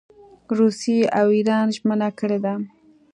روسیې او اېران ژمنه کړې ده.